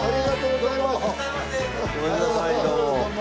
ごめんくださいどうも。